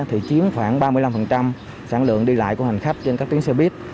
thì chiếm khoảng ba mươi năm sản lượng đi lại của hành khách trên các tuyến xe buýt